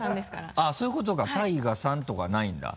あっそういうことか「ＴＡＩＧＡさん」とかないんだ。